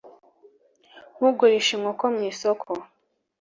nkugurisha inkoko mu isoko